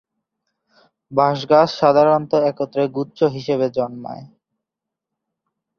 বাঁশ গাছ সাধারণত একত্রে গুচ্ছ হিসেবে জন্মায়।